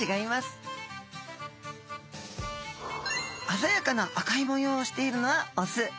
あざやかな赤い模様をしているのはオス。